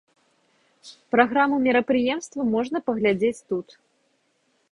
Праграму мерапрыемства можна паглядзець тут.